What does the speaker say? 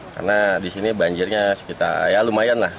karena disini banjirnya sekitar ya lumayan lah